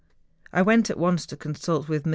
I went at once to consult with MM.